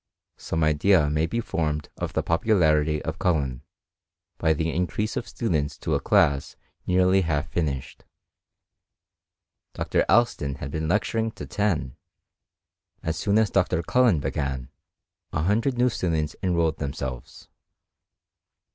Some idea maybe formed of the popu larity of Cullen, by the increase of students to a class nearly half finished : Dr. Alston had been lecturing to ten ; as soon as Dr. Cullen began, a hundred new students enrolled themselves.